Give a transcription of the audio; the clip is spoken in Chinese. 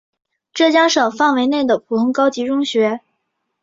浙江省范围内的普通高级中学。